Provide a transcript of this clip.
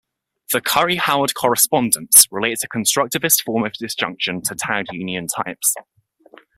The Curry-Howard correspondence relates a constructivist form of disjunction to tagged union types.